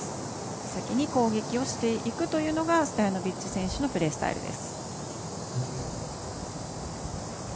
先に攻撃をしていくというのがストヤノビッチ選手のプレースタイルです。